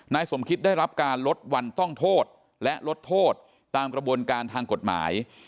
สมคิดได้รับการลดวันต้องโทษและลดโทษตามกระบวนการทางกฎหมาย